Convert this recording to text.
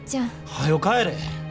はよ帰れ！